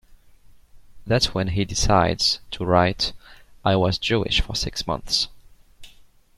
That's when he decides to write, "I Was Jewish for Six Months".